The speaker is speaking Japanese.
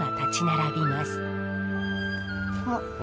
あっ。